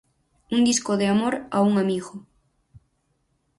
Un disco de amor a un amigo.